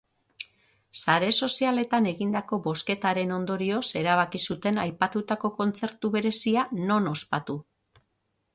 Sare sozialetan egindako bozketaren ondorioz erabaki zuten aipatutako kontzertu berezia non ospatu.